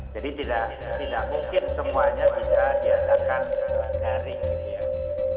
jadi tidak mungkin semuanya bisa diadakan dari jaringan